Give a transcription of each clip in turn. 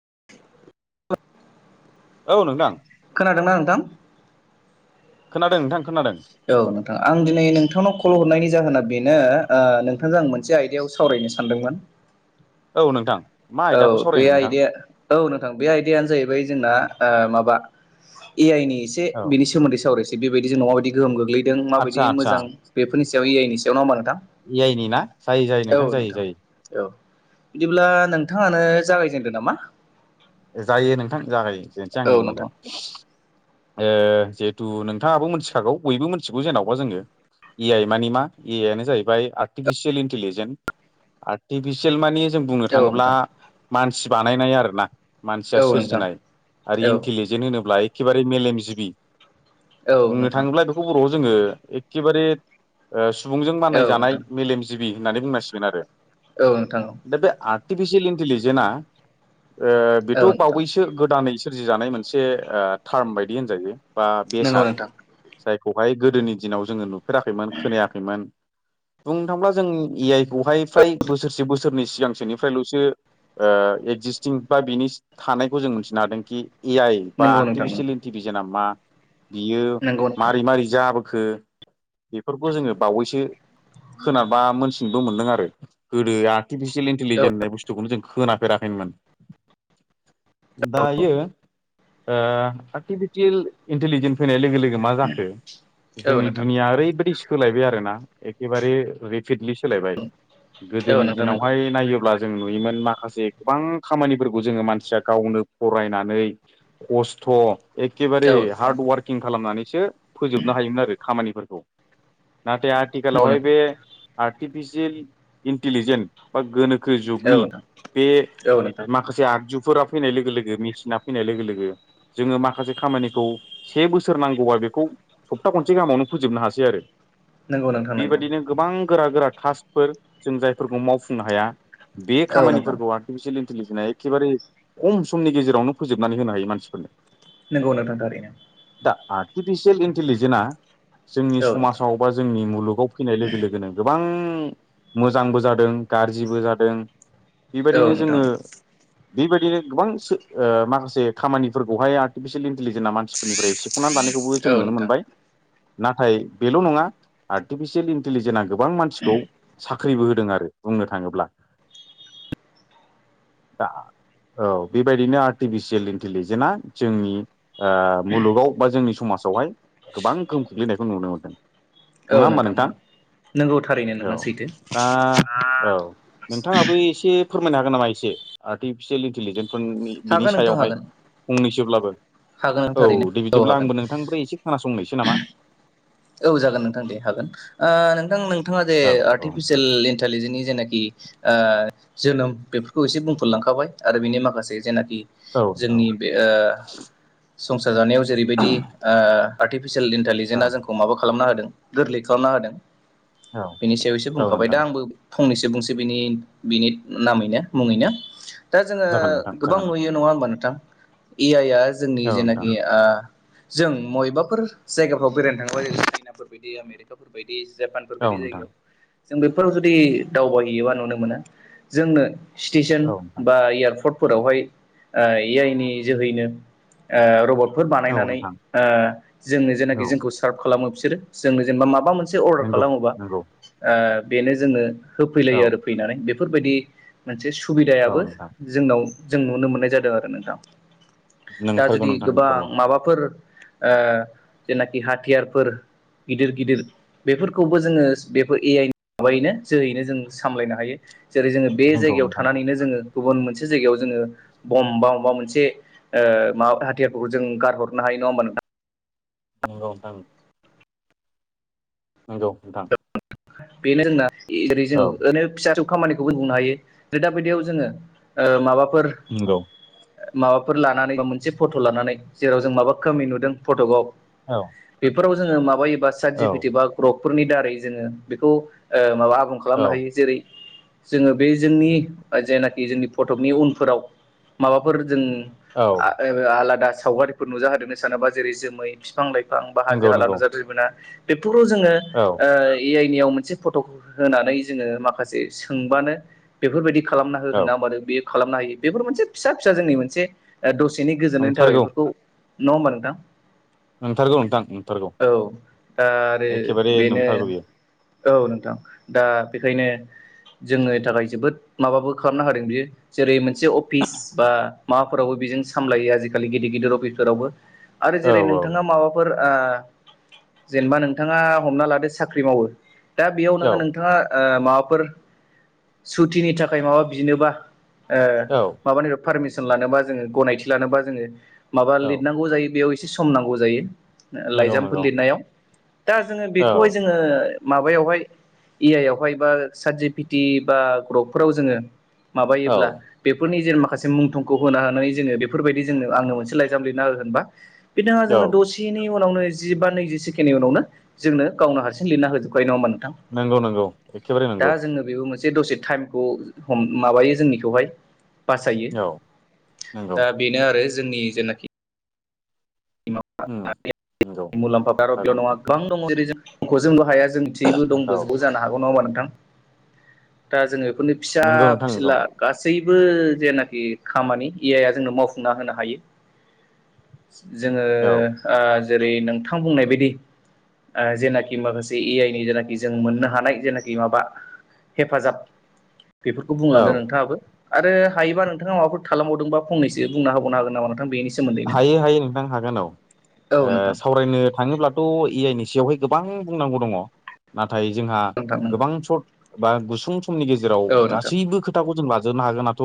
[unintelligible] औ नोंथां। थां खोनादों नोंथां खोनादों। औ नोंथां आं दिनै नोंथांनाव कल हरनायनि जाहोना बेनो ओ नोंथांजों आं मोनसे आयदायाव सावराय नो सानदोंमोन। औ नोंथां। मा औ आयदाखौ बे सावरायनो नोंथां आयदाया औ नोंथां बे आयदायानो जाहैबाय जोंना माबा ए आइनि एसे औ बिनि सोमोन्दै सावरायसै बेबायदि जों नाबायदि गोहोम गोग्लै दों आदसा माबायदि आदसा मोजां बेफ ए आइनि ना जायो जायो नोंथां जायो जायो। औ बिदिब्ला नोंथाङानो जागायजेनदो नामा? जायो नोंथां जागायजेननोसै औ आंनो होमबालाय। नोंथां ओ जिहेथु नोंथाङाबो मिथिखागौ बयबो मिथिगौ जेन'बा जोङो। ए आइ मानि मा ए आइ आनो जाहैबाय आर्टिफिसियेल इन्टिलिजेन्स आर्टिफिसियेल मानि जों बुंनो औ थाङोब्ला नोंथां मानसि बानायनाय आरोना। मानसिया औ नोंथां सोरजिनाय आरो औ इन्टलिजेन्ट होनोब्ला एखेबारे मेलेमजिबि। औ बुंनो नोंथां थाङोब्ला बेखौ बर'आव जोङो एखखेबारे ओ स सुबुंजों औ नोंथां मानाय जानाय मेलेमजिबि होननानै बुंनांसिगोन आरो। औ नोंथां। दा बे आर्टिफिसियेल इन्टिलिजेनआ ओ औ बेथ' नोंथां बावैसो गोदानै सोरजि जानाय मोनसे ओ तार्म बायदि होनजायो बा नंगौ बेसाद नोंथां जाय खौहाय गोदोनि दिनाव जोङो नुफेराखैमोन खोनायाखैमोन। बुंनो थांबोला जों ए आइ खौहाय फ्राय बोसोरसे बोसोरनै सिगांसोनिफ्रायल'सो ओ एक्जिस्टिं बा बिनि थानायखौ जों मिथिनो हादों कि ए आइ बा नंगौ नोंथां आर्टिफिसियेल इन्टिेलिजेना मा? बियो नंगौ नोंथां मारै मारै जाबोखो? बेफोरखौ जोङो बावैसो होनारबा मोनथिनोबो मोनदों आरो गोदोआ आर्टिफिसियेल औ इन्टिलिजेन्ट होन बुस्थुखौनो जों खोनाफेराखैमोन। दायो आर्टिफिटियेल इन्टेलिजेन्स फैनाय लोगो लोगो मा जाखो औ जोंनि नोंथां दुनिया ओरैबायदि सोलायबाय आरोना एखेबारे रेपिडलि सोलायबाय। औ गोदोनि नोंथां नंगौ दिनावहाय नायोब्ला जों नुयोमोन माखासे गोबां खामानिफोरख खौ जोङो मानसिया गावनो फरायनानै खस्थ' एखेबारे औ नोंथां हार्ड वार्किं खालामनानैसो फोजोबनो हायोमोन आरो खामानिफोरखौ। नाथाय नंगौ आथिखालावहाय नोंथां बे आर्टिफिसियेल इन्टिलिजेन्ट बा गोनोखो खो औ जुगनि नोंथां बे औ नोंथां माख आगजुफोरा फैनाय लोगो लोगो मेसिना फैनाय लोगो लोगो जोङो माखासे खामानिखौ से बोसोर नांगौ खौबा बेखौ सप्ता खनसे गाहामावनो फोजोबनो हासै आरो। नंगौ नोंथां नंगौ बेबायदिनो गोबां गोरा गोरा टास्कफोर जों जायफोरखौ मावफुंनो हाया। बे औ नोंथां खामानिफोरखौ आर्टिफिसियेल इन्टिलिजेना एखेबारे खम समनि गेजेरावनो फोजोबनानै होनो हायो मानसिफोरनो। नोंगौ नोंथां थारिनो। दा आटिफिसिल इन्टेलिजेेना जोंनि औ नोंथां समाजाव बा जोंनि मुलुगाव फैनाय लोगो लोगोनो गोबां मोजांबो जादों गाज्रिबो जादों औ बेबायदिनो नोंथां जोङो बेबायदिनो गोबां माखासे खामानिफोरखौहाय आर्टिफिसियेल लिजेना मानसिफोरनिफ्राय सेख'नानै लानायखौबो जों औ नुनो नोंथां मोनबाय नाथाय बेल' नङा आर्टिफिसियेल इन्टेलिजेनआ गोबां मानसिखौ सा खैबो होदों आरो बुंनो थाङोब्ला दा औ बेबायदिनो आर्टिफिसियेल इन्टेलिजेनआ जोंनि मुलुगाव बा जोंनि समाज सावहाय गोबां गोहोम खोख्लैनायखौ नुनो मोनदों औ नङा होमबा नोंथां नोंगौ औ दा औ नोंथाङाबो एसे फोरमायनो हागोन नामा एसे आर्टिफिसियेल इन्टिेलिजेन्सफोरनि बिनि हागोन नोंथां सायावहाय हागोन फंनैसोब्लाबो हागोन नों औ थारैनो दे औ बिदिब्ला हागोन आंबो नोंथांनिफ्राय एसे खोनासंनायसै नामा औ जागोन नोंथां दे हागोन नोंथां नोंथाङा जे औ औ आर्टिफिसियेल इन्टलिजेन्सनि जेनाखि ओ जोनोम बेफोरखौ एसे बुंफोरलांखाबाय आरो बेनि माखासे जेना औ जोंनि औ बे ओ संसार जानायाव जेरैबायदि ओ अफसिय औ इन्टेजेनआ जोंखो खालामना होदों गोरलै खालामना होदों औ बेनि सायाव एसे औ बुंखाबाय दा नोंथां आंबो फंनैसो बुंसै बिनि बिनि नामैनो मुङैनो दा जोङो जागोन नोंथां गोबां जागोन नुयो नङा होमबा नोंथां ए आइ आ जोंनि औ नोंथां जेनाखि जों मयबाफोर जायगाफोराव बेरायनो थांङोबा ज चाइनाफोर बायदि आमेरिकाफोर बायदि दि जापानफोर औ बायदि नोंथां जायगायाव जों बेफोराव जुदि दावबायहैयोबा नुनो मोना जोंनो स्टेसन औ नोंथां बा एयारपर्ट फोरावहाय ए आइ नि जोहैनो ओ रबट फोर औ बानायनानै नोंथां ओ जोंनो जायनाखि औ जोंखौ सार्प खालामो बिसोरो जोंनो जेनबा माबा मोन सो अरदार नंगौ खालामोब्ला नंगौ ओ बेनो जोंनो औ होफैलायो आरो फैनानै बेफोरबायदि मोनसे औ सुबिदायाबो नोंथां जोंनाव जों नुनो मोननाय जादों आरो नोंथां दा नंथारगौ जुदि नोंथां गोबां नंथारगौ माबाफोर ओ जेनाखि हाथियारफोर गिदिर गिदिर बेफोरखौबो जोङो बेफोर ए आइनि माबायैनो जोहैनो जों सामलायनो हायो जेरै जोङो बे नंगौ जायगायाव नोंथां थानानैनो जोङो गुबुन मोनसे जायगायाव जोङो बम्ब बा माबा मोनसे माबा हाथियारफोरखौ जों गारहरनो हायो नङा ओमबा नोंथां नंगौ नोंथां नंगौ नोंथां बेनो जोंना ओरै जो औ ओरैनो फिसा खामानिखौबो नुनो हायो जे दा बायदियाव जोङो ओ माबा नंगौ माबाफोर लानानै बा मोनसे फट' लानानै जेराव जों माबा खमि नुदों फट'गाव औ बेफोराव जोङो माबायोबा औ सारजिपिटि बा ग्रकफोरनि दारै जोङो बेखौ माबा आबुं औ खालामनो हायो जेरै जोङो बे जोंनि जेनाखि जोंनि फटकनि उनफोराव माबाफोर जों औ आलादा सावगारिफोर नुजा होदेरनो सानोबा जेरै जोमै बिफां लाइफां गोबां बा हाजो नंगौ हाला नंगौ नुजाफैयो मोना बेफोरखौ जोङो औ ओ ए आइनि आव मोनसे फट' होनानै जोङो माखासे सोंबानो बेफोरबायदि खालामना हो औ होनना बेयो खालामनो हायो बेफोर मोनसे फिसा फिसा जोंनि मोनसे दसे एनि गोजोननायनि थाखाय नंथारगौ बेफोरखौ नङा होमबा नोंथां नंथारगौ नोंथां नंथारगौ औ दा आरो एखेबारे बेनो नंथारगौ बेयो औ नोंथां दा बेखायनो जोंनि थाखाय जोबोद माबाबो खालामनो हादों बियो जेरै मोनसे अफिस बा माबाफोरावबो बेजों सामलायो आजिखालि गिदिर गिदिर गिदिराव अफिस फोरावबो आरो औ जेरै नोंथाङा औ माबाफोर ओ जेनेबा नोंथाङा हमना लादो साख्रि मावो दा बेयाव नोङो नोंथाङा माबाफोर सुतिनि थाखाय माबा बिनोबा औ माबानि पारमिसन लानोबा जोङो गनायथि लानोबा जोङो माबा औ लिरनांगौ जायो बेयाव एसे सम नांगौ जायो नंगौ लाइजामफोर नंगौ लिरनायाव दा जोङो औ बेखौहाय जोङो माबायावहाय ए आइ आवहाय बा सारजि पिटि बा ग्रपफोराव जोङो औ माबायोब्ला बेफोरनि जि माखासे मुं थं खौ होनानै जोङो बेफोरबायदि जोंनो आंनो मोनसे लाइजाम लिरना हो होनबा बिथाङा औ जोङो दसेनि उनावनो जि बा नैजि सेकेण्डनि उनावनो जोंनो गावनो हारसिं लिरना होजोबखायो नङा होमबा नोंथां नंगौ नंगौ एखेबारे दा नंगौ जोङो बेबो मोन से दसे टाइमखौ माबायो जोंनिखौहाय बासायो औ नंगौ दा बेनो आरो जोंनि जेनाखि उम नंगौ मुलाम्फा आरो नंथारगौ बेल' नङा नोंथां गोबां दङ जरै जोंंखौ जोंल' हाया जों मिथियैबो औ दंबोजोबो जानो हागौ नङा होनबा नोंथां दा जोङो बेफोरनि फिसा नंगौ नोंथां नंगौ फिला गासै बो जेनाखि खामानि ए आइ आ जोंनो मावफुंना होनो हायो जोङो औ जेरै नोंथां बुंनाय बायदि जेनाखि माखासे ए आइ नि जेनाखि जों मोननो हानाय जेनाखि माबा हेफाजाब बेफोरखौ औ बुंलांदों नोंथाङाबो आरो हायोबा नोंथाङा माबाफोर थालांबावदोंबा फंनैसो बुंना होबावनो हागोन नामा नोंथां बेनि सोमोन्दैनो हायो हायो नोंथां हागोन औ औ नोंथां सावरायनो थाङोब्लाथ' ए आइ नि सिङावहाय गोबां बुंनांगौ दङ नाथाय जोंहा नोंथां नंगौ गोबां सर्ट बा गुसुं समनि गेजेराव औ नोंथां गासैबो खोथाखौ जों लाजोबनो हागोनाथ'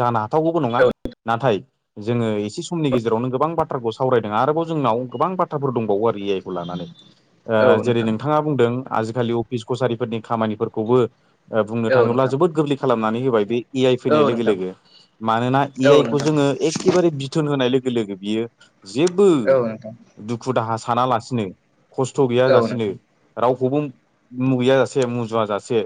जाना हाथावगौबो नङा औ नाथाय जोङो एसे समनि गेजेरावनो गोबां बाथ्राखौ सावरायदों आरोबाव जोंनाव गोबां बाथ्राफोर दंबावो आरो ए आइ खौ लानानै औ जेरै नोंथां नोंथाङा बुंदों आजिखालि अफिस कसारिफोरनि खामानिफोरखौबो बुंनो औ थाङोब्ला नोंथां जोबोद गोरलै खालामनानै होबाय बे ए आइ औ नोंथां औ फैनाय लोगो नोंथां लोगो मानोना ए औ आइ खौ नोंथां जोङो एक बिथोन होनाय लोगो लोगो बियो जेबो औ नोंथां दुखु दाहा सानालासिनो खस्थ' गैया जासेनो रावखौबो मुगैया जासे मुजुवा जासे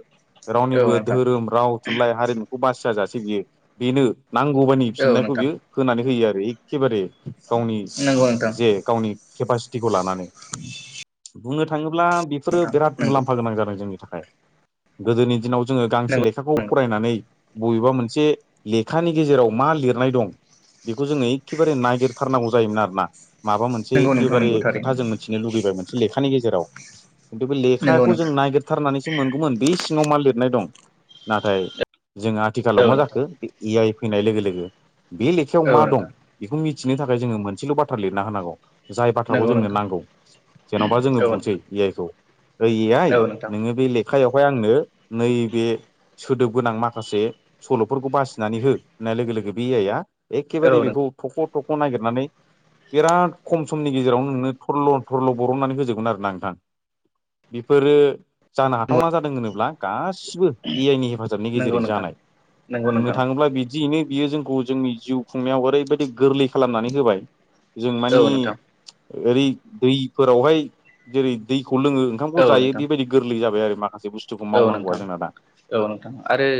औ रावनिबो नोंथां धोरोम राव थुनलाइ हारिमुखौ बासिया जासे बियो बेनो नांगौ बादि औ फिननायखौ नोंथां बियो होनानै होयो आरो एखेबारे गावनि नंगौ नोंथां जे गावनि केपासिटिखौ लानानै [inaudible] बुंनो थाङोब्ला बेफोरो नोंथां बिराद नंगौ मुलाम्फा गोनां जादों जोंनि थाखाय गोदोनि दिनाव जोङो गांसे लेखाखौ नंगौ फरायनानै बबेबा मोनसे लेखानि गेजेराव मा लिरनाय दं बेखौ जोङो एखेबारे नायगिरथारनांगौ जायोमोन आरोना माबा मोनसे नोंथां एखेबारे नंगौ थारैनो खोथा जों मिथिनो लुुबैबाय मोनसे लेखानि गेजेराव [unintelligible] नंगौ लेखाखौ जों नोंथां नायगिरथारनानैसो मोनगौमोन बे सिङाव मा लिरनाय दं नाथाय जोंङा आथिखालाव औ मा नोंथां जाखो बे ए आइ फैनाय लोगो लोगो बे लेखायाव औ मा दं नोंथां बेखौ मि थिनो थाखाय जोङो मोनसेल' बाथ्रा लिरना होनांगौ जाय बाथ्राखौ नंगौ जोंनो नोंथां नांगौ जेन'बा जोङो औ नोंथां बुंसै ए आइ खौ ओइ ए आइ औ नोंथां नोङो बे लेखायावहाय आंनो नैबे सोदोब गोनां माखासे सल'फोरखौ बासिनानै हो होननाय लोगो लोगो बे ए आइआ औ एखेबारे नोंथां बेखौ थख' थख' नागिरनानै बिराद खम समनि गेजेरावनो नोंनो थरल' थरल' बरननानै होजोबगोन आरो ना नोंथां बेफोरो जानो हाथावना जादों होनोब्ला गासै बो ए आइ नि हेफाजाबनि नंगौ गेजेरै नोंथां जानाय नंगौ बुंनो नोंथां थाङोब्ला बिदियैनो बियो जोंखौ जोंनि जिउ खुंनायाव ओरैबायदि गोरलै खालामनानै होबाय जों औ मानि नोंथां ओरै दैफोरावहाय जेरै दैखौ लोङो ओंखामखौ औ जायो नोंथां बेबायदि गोरलै जाबाय आरोमा जि बुस्थुखौ औ मावनांगौआ नोंथां जोंना दा औ नोंथां आरो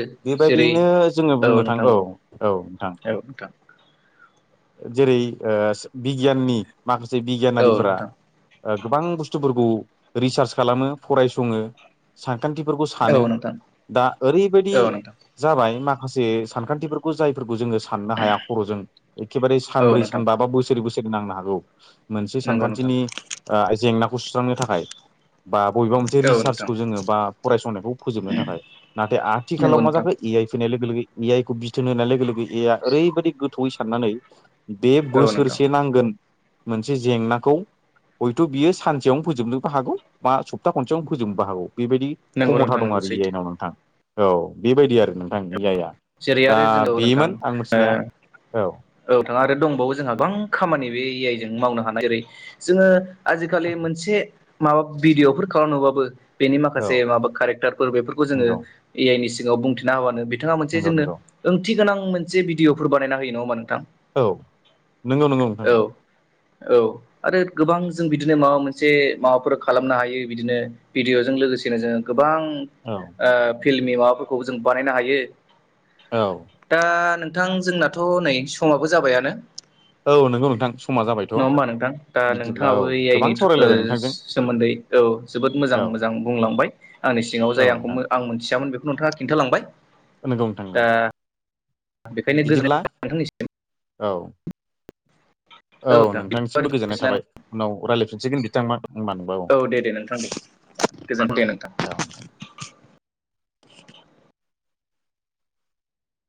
जेरै बेबायदियैनो जोङो बुंनो थां औ औ नोंथां औ नोंथां जेरै ओ बिगियाननि माखासे औ बिगियानारिफोरा नोंथां गोबां बुस्थुफोरखौ रिसार्च खालामो फरायसंङो सा खान्थिफोरखौ औ सानो नोंथां दा ओरैबायदि औ नोंथां जाबाय माख माखासे सानखान्थिफोरखौ जायफोरखौ जोंङो साननो हाया खर'जों एखेबारे औ सानब्रै नोंथां सानबा बा बोसोरै बोसोर सोर नांनो हागौ मोनसे नंगौ नोंथां सानखान्थिनि ओ जेंनाखौ सुस्रांनो थाखाय बा बबेबा मोनसे औ नोंथां रिसार्चखौ जोंङो बा फरायसनायखौ फोजोबनो थाखाय नाथाय नंगौ आथिखालाव मा नोंथां जाखो ए आइ फैनाय लोगो लोगो ए आइखौ बिथोन होनाय लोगो लोगो एआ ओरैबायदि गोथौयै साननानै बे औ नोंथां बोसोरसे नांगोन मोनसे जेंनाखौ हयथ' बियो सानसेयावनो फोजोबनोबो हागौ मा स प्था खनसेयावनो फोजोबनोबो हागौ बेबायदि नंगौ खमथा नोंथां दं नंगौ आरो इ सैथो आइनाव नोंथां औ बेबायदि आरो नोंथांनि ए आयया जेरै दा आरो जों औ नोंथां बेमोन आं मिथिनाया औ औ नोंथां आरो दंबावो जोंहा गोबां खामानि बे ए आइ जों मावनो हानाय ओरै जोंङो आजिखालि मोनसे माबा भिडिअ'फोर खालामनोबाबो बेनि माखासे औ माबा केरेक्टारफोर बेफोरखौ जोंङो नंगौ ए आइ नि सिङाव बुंथिना हाबानो बे बिथांङा मोनसे नंगौ जोंनो नंगौ ओंथि गोनां मोनसे भिडिअफोर बानायना होयो नंङा होमबा नों औ नंगौ नंगौ नोंथां औ नंगौ। औ आरो गोबां जों बिदिनो माबा मोनसे माबाफोर खालामनो हायो बिदिनो भिडिअ'जों लो गोसेनो जोंङो गोबां औ ओ फिल्मि माबाफोरखौ जों बानायनो हायो। औ दा नोंथां जोंनाथ' नै समाबो जाबायानो औ नंगौ नोंथां समा जाबायथ' नंङा होमबा नोंथां दा बिदिब्ला नोंथांङाबो औ ए आइनि गोबां सावरायलायबाय नोंथांजों सोमोन्दै औ जोबोद मोजां औ मोजां बुंलांबाय आंनि सिगांङाव औ जाय आं नोंथां आं मोनथियामोन बेखौ नोंथांङा खिन्थालांबाय नंगौ नोंथां नंगौ बेखायनो बिदिब्ला गोजोननाय थाबाय नोंथांनिसिम औ औ नोंथां बिदिबा नोंथांनिसिमबो गोजोननाय दोनथ'नोसै ना? थाबाय उनाव रायज्लायफिनसिगोन बिथांमोन औ दे दे नोंथां दे गोजोनथों दे नोंथां [inaudible] औ